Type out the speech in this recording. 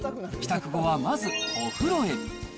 帰宅後はまずお風呂へ。